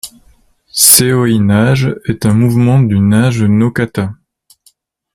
Seoi-Nage est un mouvement du Nage-no-kata.